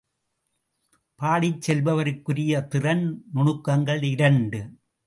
பாடிச் செல்பவருக்குரிய திறன் நுணுக்கங்கள் இரண்டு.